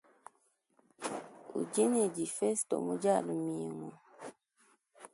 Udi ne difesto mu dialumingu.